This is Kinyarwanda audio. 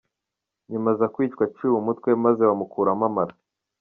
Nyuma aza kwicwa aciwe umutwe, maze bamukuramo amara.